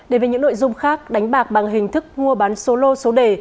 để về những nội dung khác đánh bạc bằng hình thức mua bán solo số đề